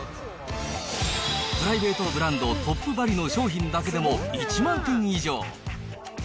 プライベートブランド、トップバリュの商品だけでも１万点以上。